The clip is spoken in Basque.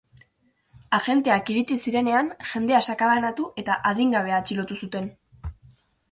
Agenteak iritsi zirenean, jendea sakabanatu eta adingabea atxilotu zuten.